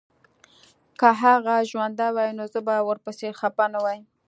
که هغه ژوندی وای نو زه به ورپسي خپه نه وای